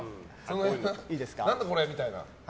何だこれみたいな。